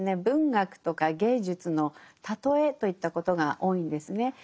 文学とか芸術の喩えといったことが多いんですね。